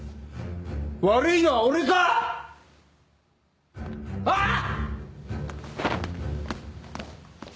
悪いのは俺か⁉あぁ⁉ハァ。